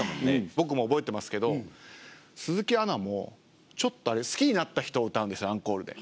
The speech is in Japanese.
僕も覚えてますけど鈴木アナもちょっと「好きになった人」を歌うんですねアンコールで。